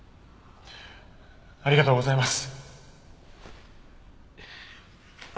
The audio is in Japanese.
ありがとうございます。